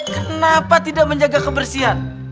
kenapa tidak menjaga kebersihan